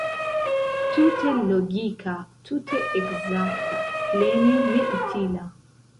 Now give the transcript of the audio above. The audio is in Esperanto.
Tute logika, tute ekzakta, plene neutila.